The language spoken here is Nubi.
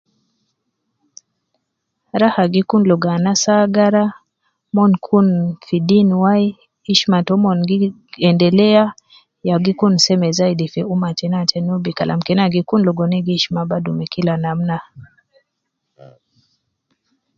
Raha gi kun ligo anas agara ,min kun fi deen wai, ishma tomon gi endelea ya gi ku seme zaidi fi umma tena te Nubi kalam kena gi kun ligo ina gi ishma badu me kila namna